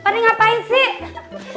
pernah ngapain sih